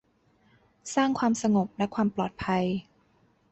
สร้างความสงบและความปลอดภัย